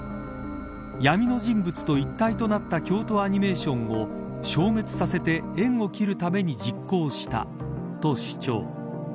闇の人物と一体となった京都アニメーションを消滅させて縁を切るために実行したと主張。